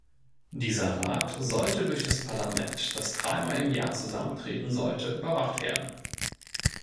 Dieser Rat sollte durch das Parlament, das dreimal im Jahr zusammentreten sollte, überwacht werden.